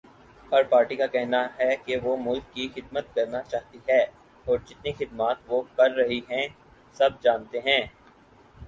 ہر party کا کہنا ہے کے وہ ملک کی خدمت کرنا چاہتی ہے اور جتنی خدمات وہ کرر ہی ہیں سب جانتے ہیں